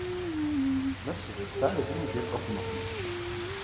Мыр зэростар зыми жепӏэ хъунукъым.